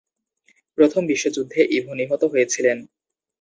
প্রথম বিশ্বযুদ্ধে ইভো নিহত হয়েছিলেন।